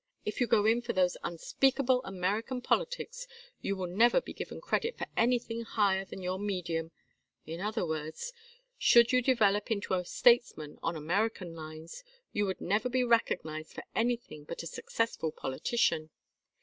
If you go in for those unspeakable American politics you will never be given credit for anything higher than your medium; in other words, should you develop into a statesman on American lines you would never be recognized for anything but a successful politician.